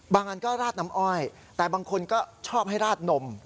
อันก็ราดน้ำอ้อยแต่บางคนก็ชอบให้ราดนม